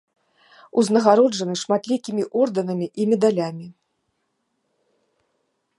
Узнагароджаны шматлікімі ордэнамі і медалямі.